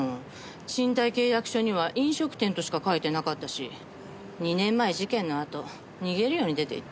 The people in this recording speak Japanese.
賃貸契約書には「飲食店」としか書いてなかったし２年前事件のあと逃げるように出て行って。